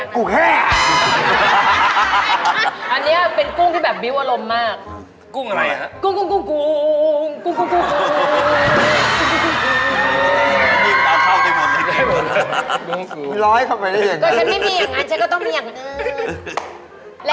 กุ้งอะไรอ่ะ